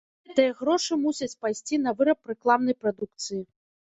Гэтыя грошы мусяць пайсці на выраб рэкламнай прадукцыі.